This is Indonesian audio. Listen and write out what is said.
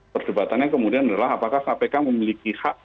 perdebatannya kemudian adalah apakah kpk memiliki hak